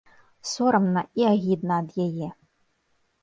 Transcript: Сорамна і агідна ад яе.